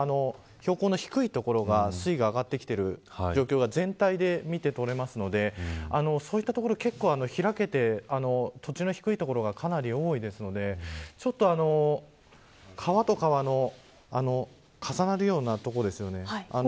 標高の低い所が水位が上がってきている状況が全体で見て取れるのでそういったところ結構開けて土地の低い所がかなり多いので川と川の重なるような所ですよね。